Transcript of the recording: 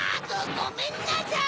ごめんなさい！